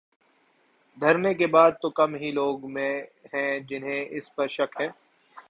دھرنے کے بعد تو کم ہی لوگ ہیں جنہیں اس پر شک ہے۔